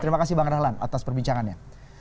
terima kasih bang rahlan atas perbincangannya